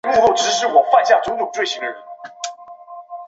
这消息是由他的家人告知阿拉伯卫视台和其他国际媒体的。